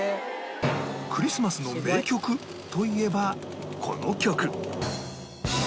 クリスマスの名曲といえばこの曲